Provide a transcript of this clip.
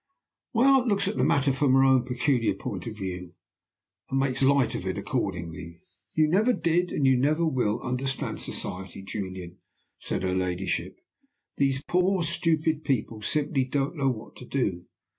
"My aunt looks at the matter from her own peculiar point of view, and makes light of it accordingly. 'You never did, and never will, understand Society, Julian,' said her ladyship. 'These poor stupid people simply don't know what to do.